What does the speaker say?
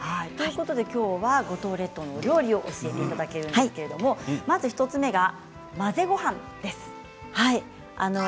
今日は五島列島のお料理を教えていただけるんですけれどもまず１つが混ぜごはんです。